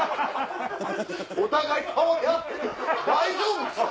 お互い倒れ合って大丈夫っすか？